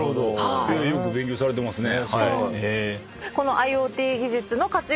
よく勉強されてますね。